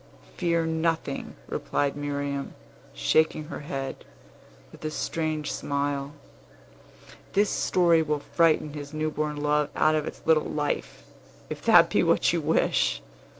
"Fear nothing!" replied Miriam, shaking her head, with a strange smile. "This story will frighten his new born love out of its little life, if that be what you wish.